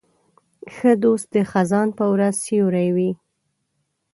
ښه دوست د خزان په ورځ سیوری وي.